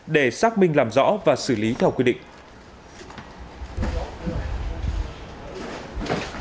để xác minh làm rõ và xử lý theo quy định